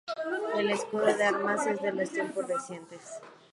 El escudo de armas es de los tiempos recientes.